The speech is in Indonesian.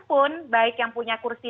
pun baik yang punya kursi